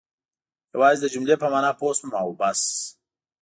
یوازې د جملې په معنا پوه شوم او بس.